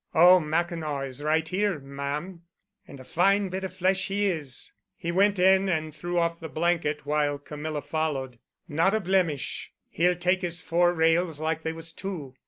"Oh, Mackinaw is right here, ma'am. And a fine bit of flesh he is." He went in and threw off the blanket, while Camilla followed. "Not a blemish. He'll take his four rails like they was two.